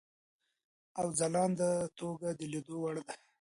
او ځلانده توګه د لیدلو وړ دی.